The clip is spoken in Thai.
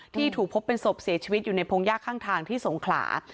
ที่ถูกพบเป็นศพเสียชีวิตอยู่ในพงยากข้างทางที่สงขลา